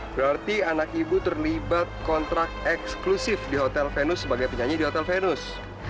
berarti anak ibu terlibat kontrak eksklusif di hotel venus sebagai penyanyi di hotel venus